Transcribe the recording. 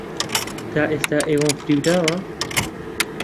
تا ئێستا ئێوەم فریوداوە؟